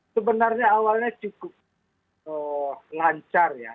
sebenarnya awalnya cukup lancar ya